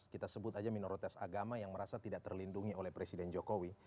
kita sebut aja minoritas agama yang merasa tidak terlindungi oleh presiden jokowi